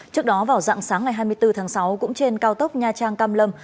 trước đó vào dạng sáng ngày hai mươi bốn tháng sáu cũng trên cao tốc nha trang cam lâm